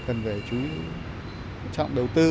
cần phải chú ý trọng đầu tư